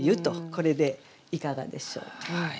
これでいかがでしょうか。